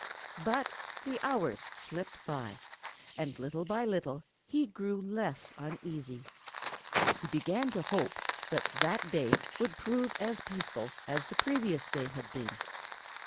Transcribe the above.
But the hours slipped away, and little by little he grew less uneasy. He began to hope that that day would prove as peaceful as the previous day had been.